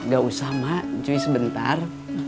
gak usah mak cui sebentar